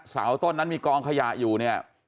เสาต้นนั้นมีกองขยะอยู่เนี่ย